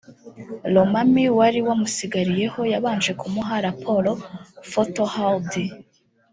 Lomami wari wamusigariyeho yabanje kumuha raporo/Foto Hardy